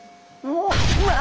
うわ！